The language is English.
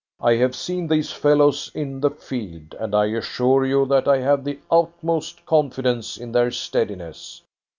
"I have seen these fellows in the field, and I assure you that I have the utmost confidence in their steadiness."